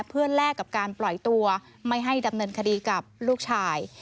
เพื่อแลกกับการปล่อยตัวไม่ให้ดำเนินคดีกับลูกชาย